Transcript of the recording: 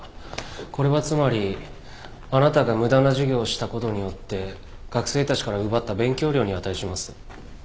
これはつまりあなたが無駄な授業をしたことによって学生たちから奪った勉強量に値します。